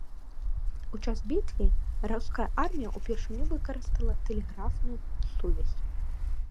У час бітвы руская армія ўпершыню выкарыстала тэлеграфную сувязь.